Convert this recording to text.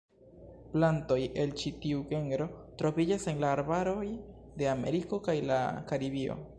Plantoj el ĉi tiu genro troviĝas en la arbaroj de Ameriko kaj la Karibio.